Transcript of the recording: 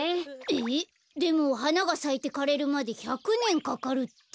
えっでもはながさいてかれるまで１００ねんかかるって。